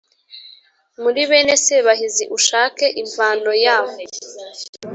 muri bene sebahinzi. ushake imvano ya...